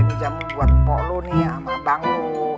ini jamu buat mpok lo nih sama abang lo